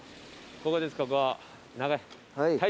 ここですね。